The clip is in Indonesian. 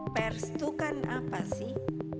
pers itu kan apa sih